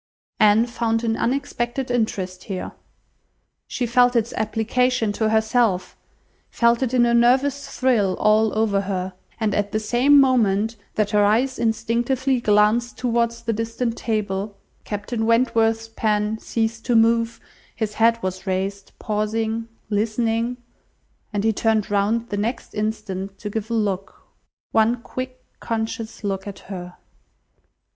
Anne found an unexpected interest here. She felt its application to herself, felt it in a nervous thrill all over her; and at the same moment that her eyes instinctively glanced towards the distant table, Captain Wentworth's pen ceased to move, his head was raised, pausing, listening, and he turned round the next instant to give a look, one quick, conscious look at her.